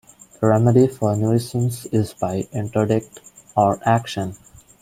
The remedy for nuisance is by interdict, or action.